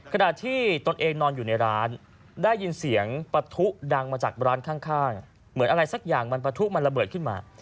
ขณะที่ตนเองนอนอยู่ในร้านได้ยินเสียงปะทุดังมาจากร้านข้างเหมือนอะไรสักอย่างมันประทุมันระเบิดขึ้นมา